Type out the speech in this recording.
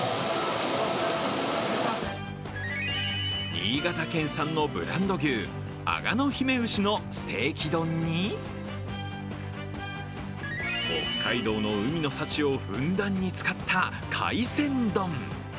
新潟県産のブランド牛、あがの姫牛のステーキ丼に、北海道海の幸をふんだんに使った海鮮丼。